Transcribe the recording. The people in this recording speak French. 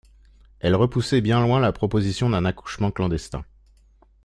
Elle repoussait bien loin la proposition d'un accouchement clandestin.